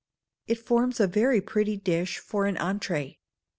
It forms a very pretty dish for an entrée.